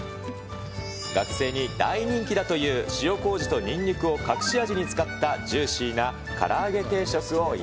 学生に大人気だという塩こうじとニンニクを隠し味に使ったジューいい香り。